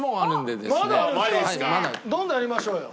どんどんやりましょうよ。